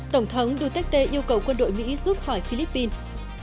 tổng thống duterte yêu cầu quân đội mỹ rút khỏi philippines